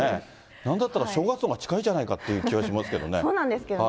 なんだったら正月のほうが近いんじゃないかっていう気はしますけそうなんですけどね。